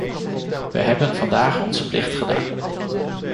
We hebben vandaag onze plicht gedaan.